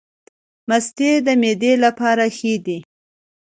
مستې د معدې لپاره ښې دي